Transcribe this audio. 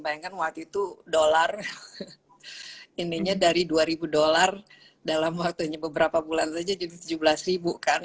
bayangkan waktu itu dolar ininya dari dua ribu dolar dalam waktunya beberapa bulan saja jadi tujuh belas ribu kan